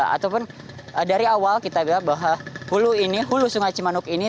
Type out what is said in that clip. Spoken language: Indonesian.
ataupun dari awal kita bilang bahwa hulu sungai cimanuk ini